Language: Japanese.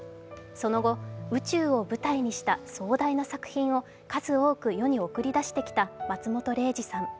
その後、宇宙を舞台にした壮大な作品を数多く世に送り出してきた松本零士さん。